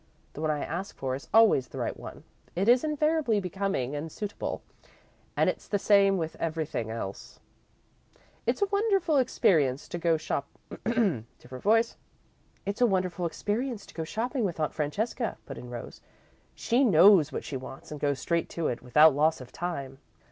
The one I ask for is always the right one. It is invariably becoming and suitable, and it's the same with everything else." "It's a wonderful experience to go shopping with Aunt Francesca," put in Rose. "She knows what she wants and goes straight to it, without loss of time.